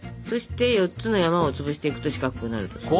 そして４つの山を潰していくと四角くなると。